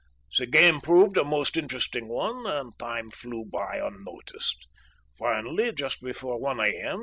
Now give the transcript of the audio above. The game proved a most interesting one and time flew by unnoticed. Finally, just before 1 A.M.